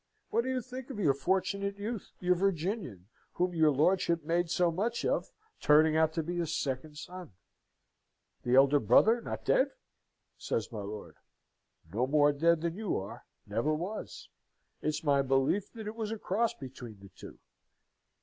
"What do you think of your Fortunate Youth, your Virginian, whom your lordship made so much of, turning out to be a second son?" "The elder brother not dead?" says my lord. "No more dead than you are. Never was. It's my belief that it was a cross between the two."